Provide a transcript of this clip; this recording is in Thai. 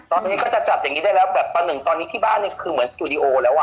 ตอนนี้ก็จะจับอย่างนี้ได้แล้วแบบประหนึ่งตอนนี้ที่บ้านเนี่ยคือเหมือนสตูดิโอแล้วอ่ะ